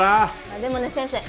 あでもね先生